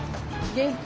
元気。